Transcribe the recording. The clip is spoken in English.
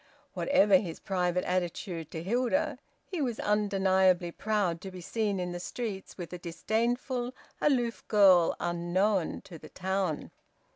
Whatever his private attitude to Hilda, he was undeniably proud to be seen in the streets with a disdainful, aloof girl unknown to the town.